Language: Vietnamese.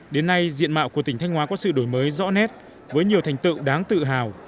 đến nay diện mạo của tỉnh thanh hóa có sự đổi mới rõ nét với nhiều thành tựu đáng tự hào